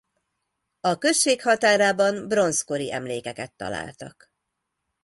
A község határában bronzkori emlékeket találtak.